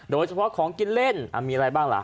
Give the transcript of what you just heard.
โดยเฉพาะของกินเล่นมีอะไรบ้างล่ะ